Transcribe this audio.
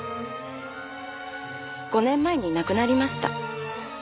５年前に亡くなりました。